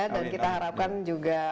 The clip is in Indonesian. dan kita harapkan juga